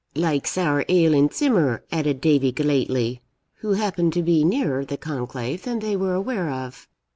'Like sour ale in simmer,' added Davie Gellatley, who happened to be nearer the conclave than they were aware of.